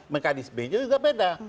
mekanisme juga beda